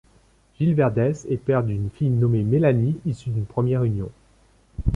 Gilles Verdez est père d'une fille nommée Mélanie issu d'une première union.